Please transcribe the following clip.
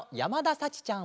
さちちゃん。